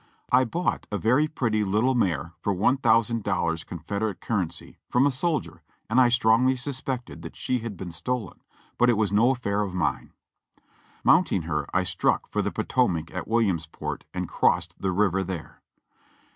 I bought a very pretty little mare for $i,ooo Confederate currency, from a soldier, and I strongly suspected that she had been stolen, but it was no affair of mine. Mounting her I struck for the Potomac at Williams port and crossed the river there.